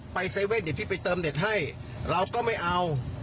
๗๑๑เดี๋ยวพี่ไปเติมเน็ตให้เราก็ไม่เอา